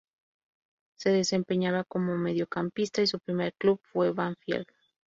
Se desempeñaba como mediocampista y su primer club fue Banfield.